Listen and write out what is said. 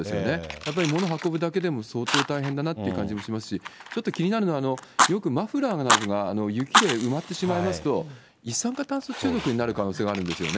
やっぱり物を運ぶだけでも相当大変だなって感じもしますし、ちょっと気になるのは、よくマフラーなどが雪で埋まってしまいますと、一酸化炭素中毒になる可能性があるんですよね。